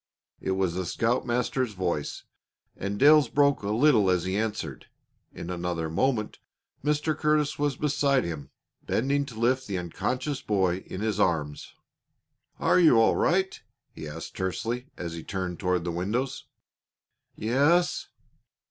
It was the scoutmaster's voice, and Dale's broke a little as he answered. In another moment Mr. Curtis was beside him, bending to lift the unconscious boy in his arms. "Are you all right?" he asked tersely as he turned toward the windows. "Yes."